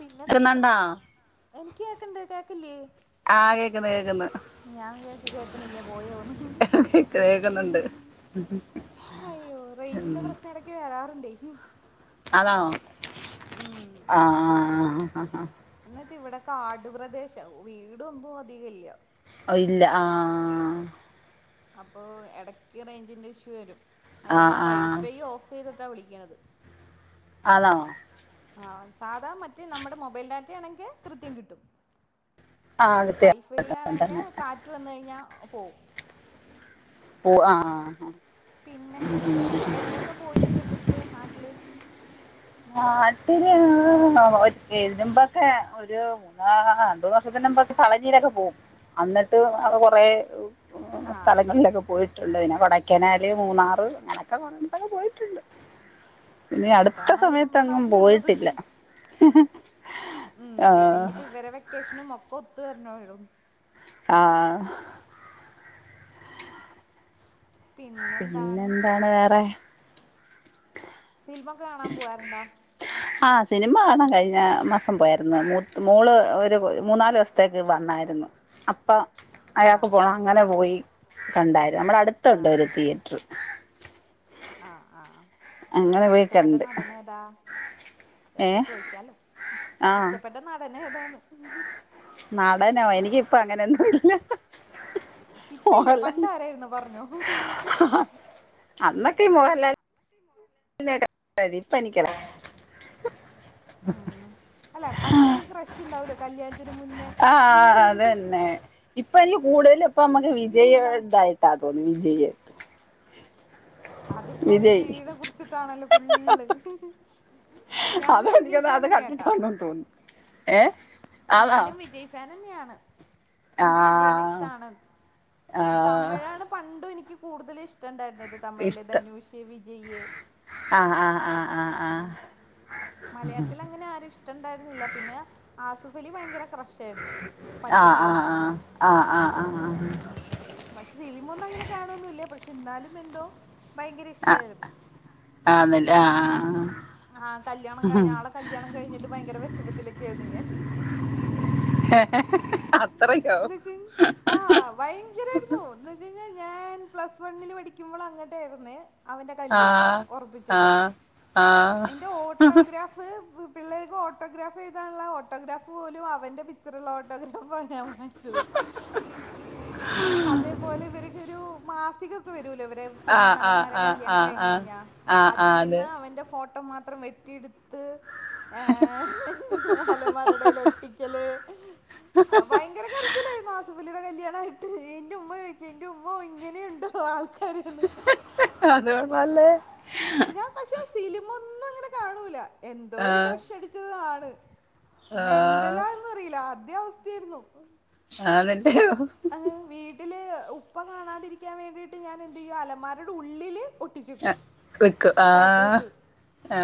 പിന്നെന്ത്‌ കേക്കുന്നുണ്ടോ എനിക്ക് കേക്കണ്ട് കേക്കില്ലേ ആഹ് കേക്കുന്നു കേക്കുന്നു ഞാൻ വിചാരിച്ച് കേക്കണില്ലേ പോയോന്ന് കേക്ക് കേക്കുന്നുണ്ട് അയ്യോ റേഞ്ചിന്റെ പ്രശ്നം ഇടക്ക് വരാറുണ്ടേ. ആന്നോ ഉം ആഹ് ആഹ് ആഹ് എന്ന് വെച്ചാ ഇവിടെ കാട്പ്രദേശാ വീടൊന്നും അധിക ഇല്ലാ. അയില്ലാ ആഹ് അപ്പൊ എടക്ക് റേഞ്ചിന്റെ ഇഷ്യൂ വരും. അതുകൊണ്ട് ആഹ് ഞാൻ ആഹ് വൈഫൈ ഓഫ് ചെയ്ത് ട്ടാ വിളിക്കണത്. [unintelligible] ആഹ് സാധാ മറ്റേ നമ്മുടെ മൊബൈൽ ഡാറ്റയാണെങ്കി കൃത്യം കിട്ടും ആഹ് കൃത്യം വൈഫൈയിലാണെങ്കെ തന്നെ കാറ്റ് വന്ന് കഴിഞ്ഞാ പോം പോ ആഹ് പിന്നെ എവിടെക്കെ പോയിട്ടുണ്ട് ട്രിപ്പ് നാട്ടില് നാട്ടില് [unintelligible] എതിന്മ്പൊക്കെ ഒരു മൂന്നാ രണ്ടൂർഷത്തിന് മുമ്പൊക്കെ പളനീലെക്കെ പോകും അന്നിട്ട് കൊറെ മ്മ് ആ സ്ഥലങ്ങളിലൊക്കെ പോയി ട്ടുണ്ട് പിന്നെ കൊടെക്കനാല് മൂന്നാറ് അങ്ങനൊക്കെ കൊറെന്തൊക്കെ പോയിട്ടുണ്ട് ഇനി അടുത്ത് നമ്മടെ നാട്ടില്ള്ളത് മ്മ് ആഹ് പിന്നിഞ്ഞിപ്പോ ഇവരെ വെക്കേഷനും മൊക്കെ ത്ത് വരണോടും ആഹ് പിന്നെന്താണ് വേറെ? സിൽമൊക്കെ കാണാൻ പോവാറുണ്ടാ ആ സിനിമ കാണാൻ കഴിഞ്ഞ മാസം പോയാര്ന്നു മുത് മോള് ഒരു മൂന്നാല്സ്ത്തേക്ക് വന്നാരുന്നു അപ്പം അയാക്ക് ആഹ് പോണം അങ്ങനെ പോയി കണ്ടാ നമ്മ്ടെ അടുത്ത്ണ്ട് ആഹ് ഒരു തിയേറ്ററ്. ആഹ് ആഹ് അങ്ങനെ പോയി ഇഷ്ടപ്പെട്ട കണ്ട് നടൻ ഏതാ വെറുതെ ഏഹ് ചോദിക്കാലോ ആഹ് ഇഷ്ടപ്പെട്ട നടൻ ഏതാന്ന്. നടനോ എനിക്കിപ്പ അങ്ങനെയൊന്നുമില്ല. ഇപ്പ ഇല്ല പണ്ട് ആരായിരുന്നു പറഞ്ഞോ. അന്നൊക്കെ ഈ മോഹൻലാൽ [unintelligible] ആഹ് അല്ല പണ്ടൊരു ക്രഷ് ഇണ്ടാവൂലോ. കല്യാ ആഹ് അത് തന്നെ ഇപ്പ എനിക്ക് കൂടുതലും ഇപ്പ നമുക്ക് വിജയ് നമുക്ക് ഇതായിട്ടാ തോന്നുന്ന വിജയ്. അതിപ്പോ വിജയ് വിജയിനെ കുറിച്ചിട്ടാണല്ലേ ഫുള്ള്. അത് ഞാനും എനിക്ക് വിജയ് തോന്നുന്നു ഫാൻ അത് കണ്ടിട്ട് തന്നെയാട്ടാ ആണെന്ന് തോന്നുന്നു ഏഹ്. ഞാനും വിജയ് ഫാൻ തന്നെയാണ്. ആ എനിക്ക് വിജയിന് ഇഷ്ടയാണ് ആ തമിഴാണ് പണ്ടും എനിക്ക്. കൂടുതലും ഇഷ് ഇഷ്ടമുണ്ടായിരുന്നത് തമിഴിലെ ഇഷ്ട ധനുഷ് വിജയ്. ആ ആ ആ ആ മലയാൾത്തിലങ്ങനെ ആരേ ഇഷ്ടാണ്ടായിരുന്നില്ല. പിന്നെ ആസിഫ് അലി ഭയങ്കര ക്രഷായിരുന്നു ആ പഠിക്കണ ആ കാലത്ത് ആ ആ ആആ ആ പശ് സില്മൊന്നങ്ങനെ കാണൊന്നൊല്ല പ എന്നാലും എന്തോ ഭയങ്കര അ ഇഷ്ടായിരുന്നു ആന്ന് ല്ലേ ആ ആഹ കല്യാണം കഴിഞ്ഞ ആളെ കല്യാണം കഴിഞ്ഞിട്ട് ഭയങ്കര വെ ഷമത്തിലൊക്കെ ആരുന്നു ഞാൻ. അത്രക്കോ ആ ഭയങ്കരായിരുന്നു എന്നുവെച്ചയി ഞാൻ പ്ലസ് വണ്ണിൽ പഠിക്ക്മ്പള് അങ്ങട്ടായിരുന്നേ ആ ആ ആ എന്റെ ഓട്ടോഗ്രാഫ്. പിള്ളേർക്ക് ഓട്ടോഗ്രാഫ് എഴുതാനുള്ള ഓട്ടോഗ്രാഫ് പോലും അവന്റെ പിച്ചറ് ള്ള ഓട്ടോഗ്രാഫ് ആണ് ഞാൻ വാങ്ങിച്ചത്. അതേ പോലെ ഇവർക്കൊരു മാസികക്കെ വരൂല്ലേ ആ ആ സിൽമാ ആ നടന്മാരെ ആ ആ കല്യാണം ആ കഴിഞ്ഞഴിഞ്ഞാ ആ അതെ അതിന്ന് അവന്റെ ഫോട്ടോ ഫോട്ടോ മാത്രം വെട്ടിയട്ത്ത് ഏ അലമാരടൽ ഒട്ടിക്കല് ഭയങ്കര കര്ച്ചില്ലായിരുന്നു ആ സ - കല്യാണായിട്ട് എന്റെ ഉമ്മ ചോയി ക്ക എന്റെ ഉമ്മോ ഇങ്ങനെണ്ടോ ആൾക് അത് കൊള്ളാലോ ഞാൻ പക്ഷെ സിനിമ ഒന്നും അങ്ങനെ കാണൂല എന്തോ ആ ഒരു ക്രഷ് അടിച്ചത് ആണ് ആ മെന്റലാന്ന് അറിയില്ല അതേ അവസ്ഥയായിരുന്നു ആണല്ലോ ഏഹ് വീട്ടില് ഉപ്പ കാണാതിരിക്കാൻ വേണ്ടിയിട്ട് ഞാൻ എന്തു ചെയ്യും അലമാരുടെ ഉള്ളില് ഒട്ടിച്ചു ആ ക്കും വെക്കും ആ ഫോട്ടോസ് ആ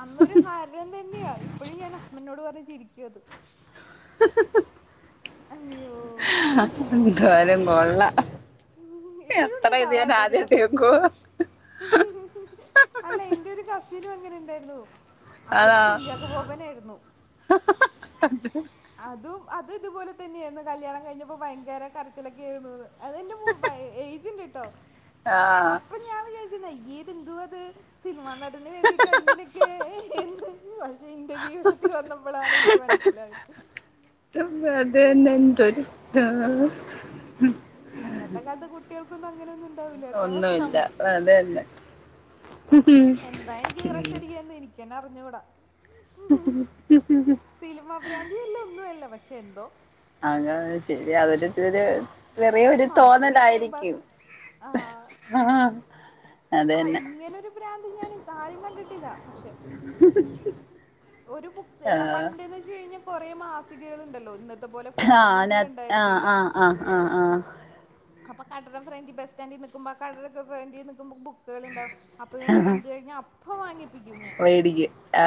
അന്നൊരു ഹരം തന്നെയാ ഇപ്പോഴും ഞാൻ ഹസ്ബന്റിനോട് പറയും ഞ്ഞ് ചിരിക്കും അത്‌ ഹ് ഹ് എന്തായാലും കൊള്ളാം ഉ എത്ര ഇപ്പഴുംണ്ട്ട്ടോ ആ ഇത് ഞാൻ ആദ്യായിട്ട് ഓട്ടോഗ്രാഫ് കേക്കുവാ ഹ് ഹ് അല്ല എന്റെ ഒരു കസിനും അങ്ങനെ ണ്ടേര്ന്നു ആൾ ആണോ കുഞ്ചാക്കോപൊബാബനേര്ന്നു അതും ത് ഇതുപോലെ തന്നെര്ന്നു കല്യാണം കഴിഞ്ഞപ്പോ ഭയങ്കര കരച്ചിലൊക്കെയായിരിന്നു ന്ന് ഒ ബയ് എയ്ജ് ണ്ട് ട്ടോ ആഹ് അപ്പൊ ഞാൻ വിചാ [unintelligible] എന്തുവാ ഇത് സിനിമ നടന് വേണ്ടിയിട്ട് അങ്ങനെയൊക്കെ പക്ഷെ എന്റെ ജീവിതത്തിൽ വന്നപ്പോളാണ് എനിക്ക് മനസിലായത് അതന്നെ അയ്യോ എന്തൊരു ഇന്നത്തെ കാലത്ത് കു ട്ടികൾക്കും അങ്ങനെയൊന്നു ഒന്നുല്ല അത് തന്നെ എന്താ എനിക്ക് ക്രഷ് അടിക്കാ എന്ന് എനി നിക്കെന്നെ അറിഞ്ഞൂട ഹ് ഹ് സിലിമഭ്രാന്തി പക്ഷെ എന്തോ അതാണ് ശെരി അവരിതുവരെ ചെറിയ ഒരു നമുക്കൊരു ടൈം തോന്നലായിരിക്കും പാസ് ആ അതന്നെ ഇങ്ങനെ ഒരു ഭ്രാന്ത്‌ ഞാനിത് ആരും കണ്ടിട്ടില്ല പക്ഷെ ഒരു ബുക്ക്‌ എന്നാ ആഹ് പണ്ട്ന്ന് വെച്ച കഴിഞ്ഞ കൊറേ മാസികകൾ ഉണ്ടല്ലോ ഇന്നത്തെ പോലെ ആ ഫോൺ അ അധികം ആ ഉണ്ടായിരുന്നില്ല ആ ആ ആ ആ അപ്പം കടന്റെ ഫ്രണ്ട് ബസ്റ്റൻഡിൽ നിക്കുമ്പോൾ കടന്റെ ഫ്രണ്ടി നിക്കുമ്പോ ബുക്ക് ക്കുകൾണ്ടാവും അപ്പൊ ഇവന്റെ കണ്ടു കഴിഞ്ഞ അപ് പ്പോവാങ്ങി വേടിക്കും ആ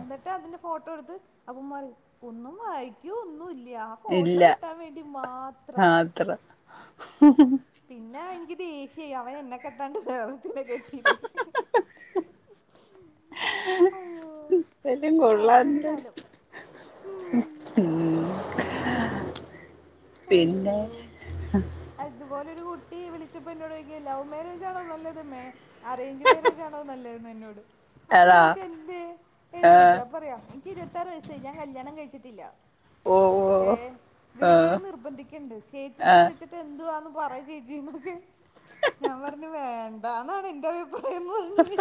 എന്നിട്ട് അതിന്റെ ഫോട്ടോ എടുത്ത് അപ്പൊ പറയും ഒന്നും വായിക്കൊ ല്ല ആ ഫോട്ടോ ഇല്ല കിട്ടാൻ വേണ്ടി മാത്രം അത്ര പിന്നെ എനിക്ക് ദേഷ്യായി അവൻ എന്നെ കെട്ടാണ്ട് വേറെ കെട്ടിയില്ലേ അയ്യോ എല്ലാം അതൊരു കൊള്ളാണ്ട് കാലം ഉം ഉം പിന്നെ അയ്യോയ്യോ ആ ട്ടി വിളിച്ചപ്പോ എന്നോട് ചോദിക്കുവാ ലൗ മാരേജാണോ നല്ലത് മേ അറേഞ്ച് മാരേജ് ആണോ നല്ലതെന്ന് എന്നോട് അപ്പം അതാ ചോയിച്ച് എന്തേ എന്ന് ചോദിച്ചു ആഹ് അപ്പ പറയാ എനിക്ക് ഇരുപത്താറ് വയസ്സായി ഞാൻ കല്യാണം കഴിച്ചി ട്ടില്ല ഓ ഓ ആ എല്ലാരും നിർബന്ധിക്കണ്ട്. ചേച്ചീടത് വെച്ചിട്ട് എന്തുവാന്നും പറയ് ചേച്ചീന്നൊക്കെ. ഞാൻ പറഞ്ഞു വേണ്ടാന്നാണ് എന്റെ അഭി എന്നു പറഞ്ഞ്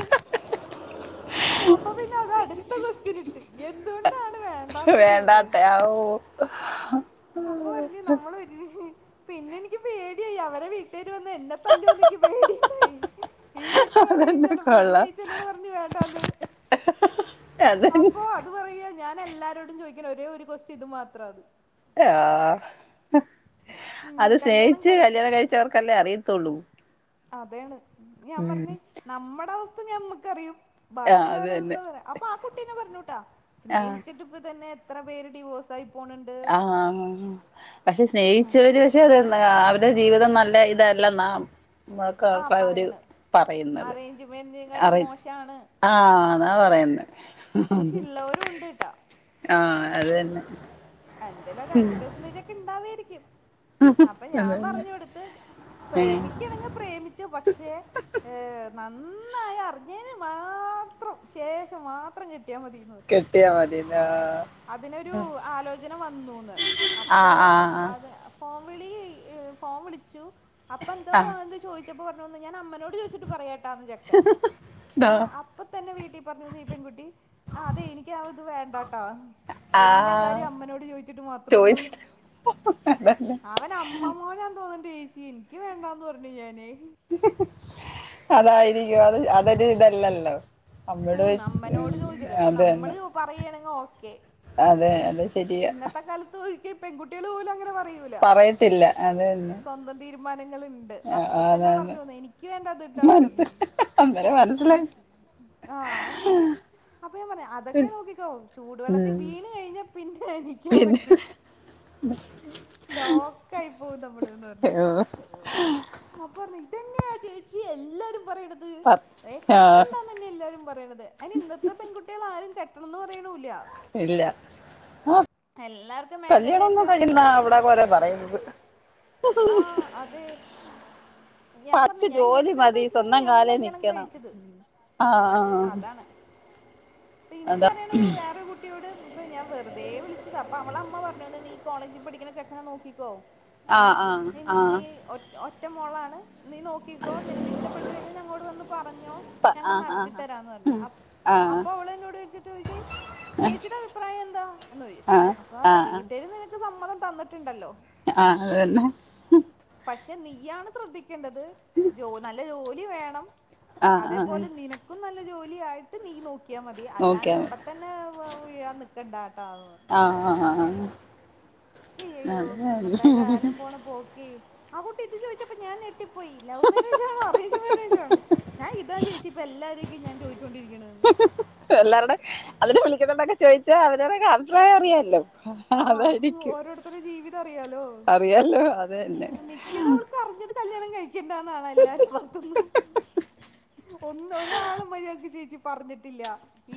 അപ്പൊ പിന്നെ അത് പ്രായം എന്ന് പറഞ്ഞു അപ്പൊ പിന്നെ അത് അടുത്ത കൊസ്റ്റ്യൻ ഇട്ടു എന്തുകൊണ്ടാണ് വേണ്ടാത്തത് എന്ന് വേണ്ടാത്ത ചോദിച്ചു ആ അപ്പൊ ഓ പറഞ്ഞ് നമ്മളൊരുമിച്ച് പിന്നെ എനിക്ക് പേടിയായി അവരെ വീട്ടാ ര് വന്ന് എന്നെ തല്ലോന്ന് ഇഥക്ക് പേടി ണ്ടായി. ഈ കുട്ടി പറയും അതന്നെ ചെലപ്പോ ഒര് കൊള്ളാം റ്റീച്ചറിനോട് പറഞ്ഞ് വേണ്ടാന്ന്. അതന്നെ അപ്പോ അത് പറയാ ഞാൻ എല്ലാരോടും ചോദിക്ക്ണ ഒരേ ഒരു കൊസ്റ്റ്യൻ ഇത് മാത്രാ അത് യാ ഹ് ഉം, അത് കല്യാണം സ്നേഹിച്ച് കഴിച്ചിട്ട് കല്യാണം കഴിച്ചവർക്കല്ലേ അറിയത്തൊള്ളൂ. അതേണ് ഞാൻ പറഞ്ഞ് നമ്മടെ അവസ് ഥ ഞമ്മക്കറിയും ആ അത് തന്നെ ബാക്കിയുള്ളോരവസ്ഥ പറയാ അപ്പൊ ആ കുട്ട്യന്നെ പറഞ്ഞൂട്ടാ ആ സ്നേഹിച്ചിട്ട് ഇപ്പ തന്നെ എത്ര പേര് ഡിവോസായി ആ ആ ആ പക്ഷെ സ്നേഹിച്ചോര് പക്ഷെ [unintelligible] അവർ ടെ ജീവിതം നല്ല ഇതല്ലെന്നാം മ്മക്കാപ്പ ആഹ് അവര് പറയണ് പറയുന്നത്. അറേഞ്ച് മാരേജിനെക്കാട്ടി ഞാഅറയും മോശാണ് ആ ന്നാ പറയുന്നെ പക്ഷെ ഇള്ളോരും ഉണ്ട് ട്ടോ ആ അതെ ന്നെ അ എന്തേലും ഒരഞ്ച് പേസൻ്റേജൊക്കെ ഇണ്ടാവേരി ക്കും അപ്പം അത് ഞാൻ തന്നെ പറഞ്ഞു കൊട്ത്ത്- ഏ പ്രേമിക്ക ആണെങ്കിൽ പ്രേമിച്ചോ പക്ഷെ ഏ- നന്നായ് അറിഞ്ഞേന് മാത്രം ശേഷം മാത്രം കി കെട്ടിയ മതീന്നാ ആ- ങ്ങ് വന്നൂന്ന് അപ്പോ ആ ആ അതെ അപ്പൊ ഫോൺ വിളീ ഈഹ് ഫോൺ വിളിച്ചു അപ്പ എന്തോ ആ ആണ്ട് ചോയി ചപ്പോ പറഞ്ഞോന്ന് ഞാനമ്മോട് ചോദിച്ചിട്ട് പറയാ ത് ചെക്കൻ അപ്പെ തന്നെ വീ പറഞ്ഞൂ ഈ പെൺങ്കുട്ടി ആ അതെ എനിക്ക് ആ ഇത് വേണ്ടാട്ടാ ആ എല്ലാ ആ കാര്യവും അമ്മനോ ചോയിച്ചിട്ട് മാത്രേള്ളു ചോദിച്ചിട്ട് അതല്ല അവൻ അമ്മമ്മോ ട് തോന ന്റേച്ചിഎനിക്ക് വേണ്ട എന്ന് പറഞ്ഞു ഞാന് അതായിരിക്കും അത് അതൊരു ഇതല്ലല്ലോ അമ്മയോട് ഉം ചോദിച്ച് അമ്മനോട് ഉം ചോദിച്ചത് അപ്പൊ അത് നമ്മള് തന്നെ പറയാണെങ്കിൽ ഓക്കെ അതെ അത് ശരിയാ ഇന്നത്തെ കാലത്ത് ഒഴി പെൺകുട്ടികൾ പോലുമങ്ങനെ പറ പറയത്തില്ല അതന്നെ മനെ ണ്ട് അപ്പൊ തന്നെ പറഞ്ഞു ന്ന് എനിക്ക് വേണ്ടട്ടാന്ന് മനസ് പറഞ്ഞു അന്നേരം മനസ്സിലായി ആ അപ്പൊ ഞാൻ പറയാ അതൊക്കെ നോക്കിക്കോ ചൂടുവെള്ളത്തിൽ ഉം വീണ് കഴിഞ്ഞ പിന്നെ എണീക്കാൻ പിന്നെ പറ്റൂല ലോക്കായി പോകും നമ്മളന്ന് പറഞ്ഞു ഉം അപ്പ പറഞ്ഞ് ഇതെങ്ങനാ ചേച്ചി എല്ലാരും പറയണത് പത്ത് ആഹ് കെട്ടണ്ടാന്ന് തന്നെ എല്ലാരും അ അതിന് ഇന്നത്തെ പെൺകുട്ടികൾ ആരും കെട്ടണംന്ന് പറയണൂംല്ല്യ ഇല്ല ആ എല്ലാർക്കും കല്യാണം ഒന്നും ഏകദേശം കയ്യണ്ടന്നാ അവിടെ കൊറേ പറയുന്നത് ആഹ് അതെ ഞാൻ പറഞ്ഞു പടിച്ച് ഞാൻ ജോലി ഇരുപത്തഞ്ചാമത്തെ മതി വയസ്സിലാണ് സ്വന്തം ഞാനും കാലേ കല്യാണം നിക്കണം കഴിച്ചത് ആഹ അതാണ് ഇപ്പൊ എനിക്കറിയണ ഒരു വേറൊരു കുട്ടിയോട് അപ്പൊ ഞാൻ വെറുതെ വിളിച്ചാ അപ്പൊ അവളെ അമ്മ പറഞ്ഞോന്ന് നീ കോളേജിൽ പഠിക്കുന്ന ചെക്കനെ നോക്കിക്കോ അ ഏഹ് അ നി അ നീ ഒ ഒറ്റ മോളാണ് നീ നോക്കിക്കോ നിനക്ക് ഇഷ്ടപ്പെട്ടു കഴിഞ്ഞാൽ ഞങ്ങളോട് വന്ന് പറഞ്ഞോ പ്പ ഞങ്ങ ആ ആ നടത്തിത്തരാന്ന് പറഞ്ഞ് ആ ആ അപ്പൊ അവള് എന്നോട് വിളിച്ചിട്ട് ചോദിച്ചു ചേച്ചിയുടെ അഭിപ്രായം എന്താ എന്ന് ചോദിച്ചു ആ അപ്പൊ ആ ആ പറഞ്ഞ് വീട്ടില് നിനക്ക് സമ്മതം തന്നിട്ടുണ്ടല്ലോ ആഹ അതന്നെ പക്ഷെ നീയാണ് ശ്രദ്ധിക്കേ ണ്ടത് ജോ നല്ല ജോലി എ വേണം ആ ആ അതേപോലെ നിനക്കും നല്ല ജോലി [unintelligible] നീ നോക്കി നോക്കിയാ മതി അല്ലാണ്ട് നോക്കിയാ മതി ഇപ്പ തന്നെ വ്വ വാ ഒഴിയനിക്ക കണ്ടാട്ടാവ് ആഹ് ആഹ് ആഹ് ആഹ് ഹയ്യയ്യോ ഇന്നത്തെ കാലം പോണ പോക്കേ ആ കുട്ടി ഇത് ചോദിച്ചപ്പ ഞാഞെട്ട് ഞെട്ടി പോയി ലവ് മാര്യേജാണോ ആണോ അറേഞ്ച് മാരേജ് ആണോ ഞാൻ ഇതാ ചേച്ചി ഇപ്പൊ എല്ലാരേക്കും ഞാൻ ചോദിച്ചോണ്ടിരിക്കണന്ന് എല്ലാരുടെ അതിനെ വിളിക്കുന്നോണ്ടൊക്കെ ചോദിച്ചാ അവരോരഭിപ്രായം അറിയാല്ലോ ആ അതായിരിക്കും ഓരോരുത്തടെ ജീവിതം അറിയാലോ അറിയാലോ അത് തന്നെ മിക്കതും അവൾക്ക് അറിഞ്ഞത് എല്ലും ഒ ഒരാും മര്യാ ചേ [unintelligible] പറഞ്ഞിട്ടില്ല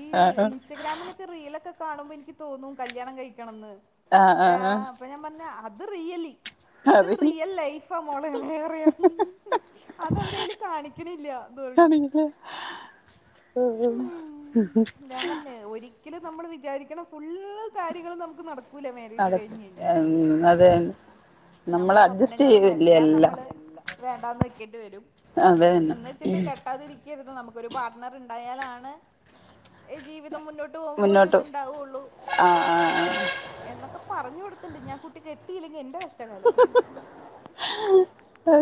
ഈ ആ ഇൻസ്റ്റഗ്രാമിലൊക്കെ റീലൊക്കെ കാണുമ്പോ എനിക്ക് തോന്നും കല്യാണം കഴിയ് കയ്ക്കണെന്ന് ആ ആ എയ ആ അപ്പൊ ഞാൻ പറഞ്ഞ ഹസ് അത് റിയലി ഇത് അറിയില്ല റിയൽ ലൈഫാ മോളെേ വേറെയാ അതവരതിൽ കാണിക്കണില്ല അറിയില്ല ഞാൻ പറഞ്ഞേ ഒരി ഇതു നമ്മൾ വിചാരിക്കണ ഫുള്ളൂ കാര്യങ്ങളും [unintelligible] നടക്കൂല്ല മാര്യേജ് നടക്കും കഴിഞ്ഞു അത് തന്നെ നമ്മള് നമ്മുടെ അഡ്ജസ്റ്റ് സ്വപ്നങ്ങളും ചെയ്യല്ലേ എല്ലാം നമ്മളെ വേണ്ടാന്നു വയ്ക്കണ്ടി വരും അത് തന്നെ എന്നെചെ കേട്ടാണ്ടിരിക്കല്ല് ഒരു പാർട്ണർ ഉണ്ടായാലാണെ ഈ ജീവിത മുന്നോട്ട് ആഹ് ആഹ് ആഹ് എന്നൊക്കെ പറഞ്ഞ കൊടുത്തിണ്ട് ഞാൻ കുട്ടി കെട്ടിയില്ലങ്ക എന്റെ കഷ്ട ാലും അതെ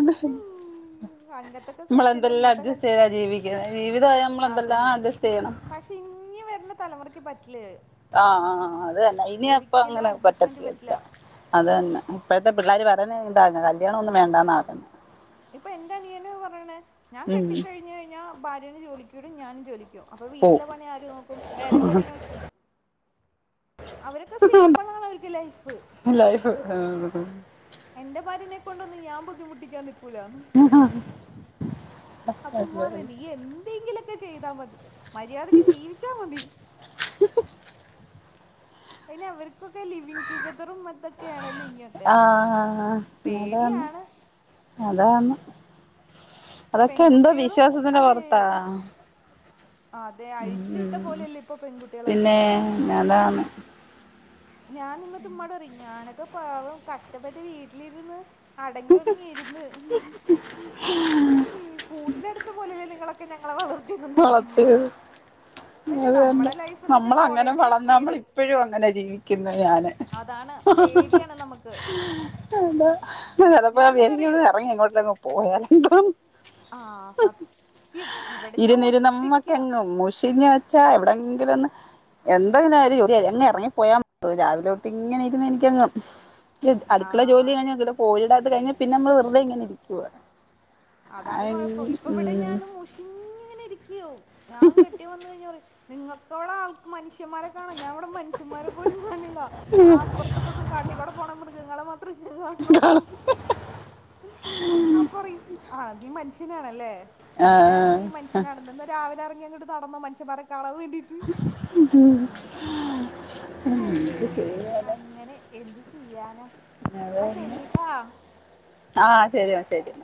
[unintelligible] നമ്മളെന്തെല്ലാം അഡ്ജസ്റ്റ് ചെയ്താ ജീവിക്കന്നേ ജീവിതമായാ നമ്മളെ ന്തെല്ലാം അഡ്ജസ്റ്റ് ചെയ്യണം ഇങ്ങി വരുന്ന തലമുറക്ക് പറ്റില്യേ ആഹ് ആഹ് അതന്നെ ഇനി അപ്പ അങ്ങനെ അഡ്ജസ്റ്റ്മെന്റ് പറ്റത്തില്ല പറ്റില്ല അത് തന്നെ ഇപ്പഴത്തെ പിള്ളേരു പറ അെ [unintelligible] ഉണ്ടാ കല്യാണം ഒന്ന വേണ്ടാന്നു ഇപ്പൊ എന്താ നിയന പറയണ ഞാൻ ഉം കെട്ടിക്കയിഞ്ഞു കഴിഞ്ഞാ ഭാര്യെനെ ജോലിയ്ക്ക് വിടും ഞാനും ജോലിപോകും അപ്പൊ വീട്ടിലെ പോവും പണി ആര് നോക്കും വേലകാരീനെ വക്കും അവരൊക്കെ സിമ്പിൾ ആണ് അവരക്കെ ലൈഫ് ലൈഫ് എന്റെ ഭാര്യേനെ കൊണ്ടന്ന് ഞാൻ ബുദ്ധിമുട്ടികാൻ നിക്കൂലാന്ന് അപ്പൊ ഉമ്മ പറയുവാ നീ എന്തെങ്കിലും ക്ക് ചെയ്താൽ മതി- മര്യാദയ്ക്ക് ജീവിച്ചാ മതി- പിന്നെ അവർക്കൊക്കെ ലിവിങ് ടൂ ഗെ ആഹ് അത അന്ന് പേടിയാണ് അതെ അന്ന്- അതൊക്കെ എന്തോ പെൺകുട്ടികളും വിശ്വാസത്തിൻ്റെ പൊറത്താ? ആ അതെ അഴിച്ചു വിട്ട പോലെയല്ലോ ഇപ്പൊ പെൺകുട്ടികളൊക്കെ പിന്നെ അതാണ് ഞാനിന്നിട്ട് ഉമ്മാട പറ ഞാനൊക്കെ പാവം കഷ്ടപ്പെട്ട് വീട്ടിലിരുന്ന്- അടങ്ങി ഒതുങ്ങി ഇരുന്ന് കൂട്ടിലടച്ച പോലെല്ലേ നിങ്ങളൊക്ക് നിങ്ങളെ വളർ വളർത്ത് വെച്ചാ അത് തന്നെ നമ്മളെ ലൈഫ് എന്ന് വെച്ചാ നമ്മളങ്ങനെ കോളേജ് വളർന്നമ്മള വീട് ഇപ്പോഴും അങ്ങനെ ജീവിക്കും ക്കുന്നു ഞാന് അതാണ് പേടിയാണ് നമുക്ക് എന്ത ചിലപ്പോ ഞാൻ എന്നിട്ട് എനിക്ക് ഇവിടെ പറയും ഇറങ്ങി അങ്ങോട്ടങ് പോയാലെ ആ സത്യം ഇവിടെ ഞാൻ ഇരുന്നിരിന്ന് ഒറ്റക്കാ നമ്മക്കെങ്ങും മുഷിഞ്ഞ വെച്ചാ എവി ങ്കിലന്ന് എന്തെങ്കിലും അരി ഒടി അങ്ങ് ഇറങ്ങി പോയാ രാവിലെ അവിടു ഇങ്ങനൊയിരുന്നു എനിക്കങ് ക്ക് അടുക്കള ജോലി ആ കഴിഞ്ഞാ പിന്നെ കോഴിടെ കഴിഞ പിന്നെ നമ്മൾ വെറുതെ ഇങ്ങെ ഇരിക്കുവ അതാണ് കൊഴപ്പം ഇപ്പ ഇവിടെ ഉം ഞാനും മുഷിഞ്ഞിങ്ങനെ ഇരി ക്കൂ ഞാൻ കെട്ടിയോ വന്നു കഴിഞ്ഞ പറ നിങ്ങൾക്കിവിടെ ആ മ മനഷ്യന്മാരെ കാണാം ഞാൻ ഇവിടെ മനുഷ്യമാരെ പോലും കാണില്ലോ ആ അപ്പുറത്തുംപ്പറത്തും കാട്ടിക്കൂടെ പോണ മൃഗങ്ങളെ മാത്രേ ഞാൻ കാണന്നുള്ളു ആ പറയും നീ മനുഷ്യനാണല്ലേ ഏ ആഹ് നീ മനുഷ്യനാണെന്ന് ഇന്ന് രാവിലെ ഇറങ്ങ അങ്ങട്ട് നടന്നോ മനുഷ്യന്മാരെ കണാൻ വേണ്ടിട്ട് ഇത് ചെയ്താലോ ചെയ്യാന അതന്നെ ആഹ് ശരി എന്ന ശരി